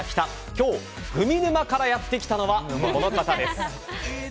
今日、グミ沼からやってきたのはこの方です。